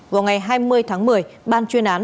vào ngày hai mươi tháng một mươi ban chuyên án